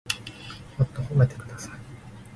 もっと褒めてください